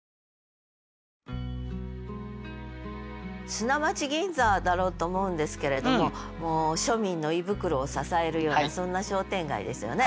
砂町銀座だろうと思うんですけれどももう庶民の胃袋を支えるようなそんな商店街ですよね。